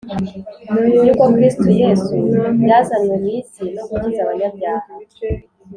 yuko Kristo Yesu yazanywe mu isi no gukiza abanyabyaha